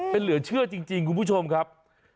เป็นเหลือเชื่อจริงคุณผู้ชมครับ